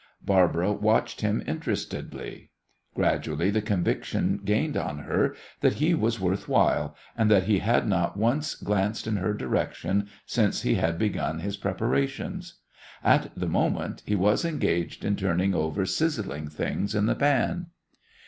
Barbara watched him interestedly. Gradually the conviction gained on her that he was worth while, and that he had not once glanced in her direction since he had begun his preparations. At the moment he was engaged in turning over sizzling things in the pan.